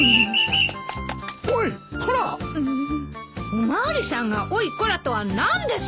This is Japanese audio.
お巡りさんが「おいこら」とは何です！